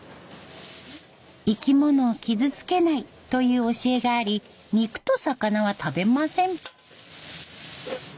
生き物を傷つけないという教えがあり肉と魚は食べません。